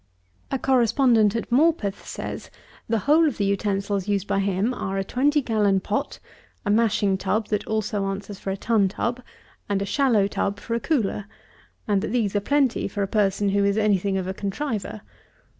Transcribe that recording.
59. A Correspondent at Morpeth says, the whole of the utensils used by him are a twenty gallon pot, a mashing tub, that also answers for a tun tub, and a shallow tub for a cooler; and that these are plenty for a person who is any thing of a contriver.